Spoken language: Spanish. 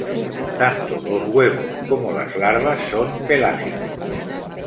Tanto los huevos como las larvas son pelágicos.